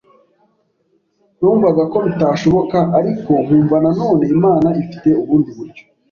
numvaga ko bitashoboka ariko nkumva nanone Imana ifite ubundi buryo,